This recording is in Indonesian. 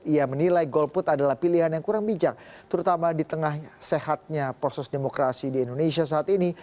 ia menilai golput adalah pilihan yang kurang bijak terutama di tengah sehatnya proses demokrasi di indonesia saat ini